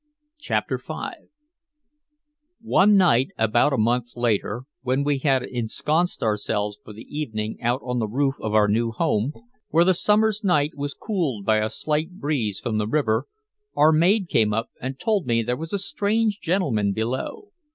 CHAPTER V One night about a month later, when we had ensconced ourselves for the evening out on the roof of our new home, where the summer's night was cooled by a slight breeze from the river, our maid came up and told me there was a strange gentleman below.